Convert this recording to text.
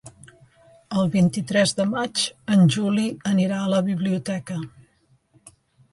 El vint-i-tres de maig en Juli anirà a la biblioteca.